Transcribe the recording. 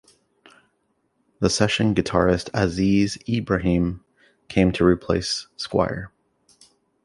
The session guitarist Aziz Ibrahim came to replace Squire.